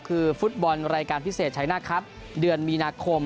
คือฟุตบอลรายการพิเศษชัยหน้าครับเดือนมีนาคม